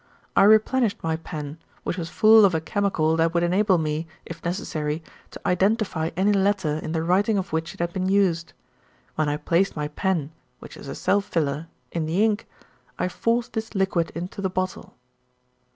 I replenished my pen, which was full of a chemical that would enable me, if necessary, to identify any letter in the writing of which it had been used. When I placed my pen, which is a self filler, in the ink, I forced this liquid into the bottle."